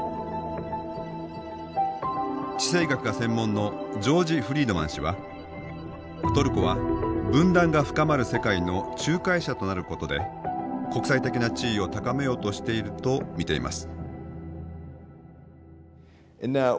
地政学が専門のジョージ・フリードマン氏はトルコは分断が深まる世界の仲介者となることで国際的な地位を高めようとしていると見ています。